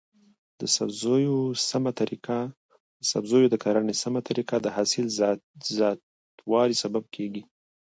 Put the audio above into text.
د سبزیو د کرنې سمه طریقه د حاصل زیاتوالي سبب کیږي.